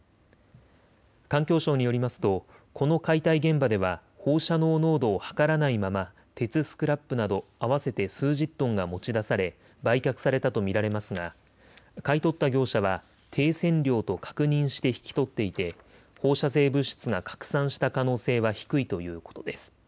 環境省によりますとこの解体現場では放射能濃度を測らないまま鉄スクラップなど合わせて数十トンが持ち出され売却されたと見られますが買い取った業者は低線量と確認して引き取っていて放射性物質が拡散した可能性は低いということです。